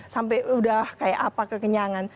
sampai udah kayak apa kekenyangan